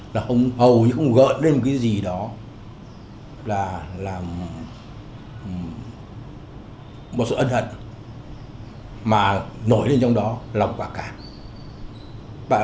hầu như không gợn lên cái gì đó là một sự ân hận mà nổi lên trong đó lòng quả cảm